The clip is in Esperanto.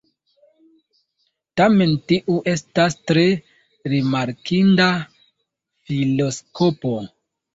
Tamen tiu estas tre rimarkinda filoskopo.